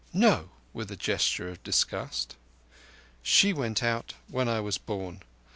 "No!"—with a gesture of disgust. "She went out when I was born.